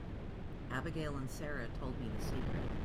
Abigail and Sara told me the secret.